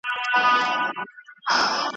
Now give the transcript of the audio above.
جهان